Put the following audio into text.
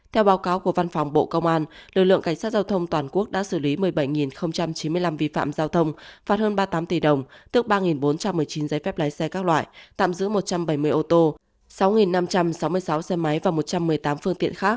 theo báo cáo của văn phòng bộ công an lực lượng cảnh sát giao thông toàn quốc đã xử lý một mươi bảy chín mươi năm vi phạm giao thông phạt hơn ba mươi tám tỷ đồng tức ba bốn trăm một mươi chín giấy phép lái xe các loại tạm giữ một trăm bảy mươi ô tô sáu năm trăm sáu mươi sáu xe máy và một trăm một mươi tám phương tiện khác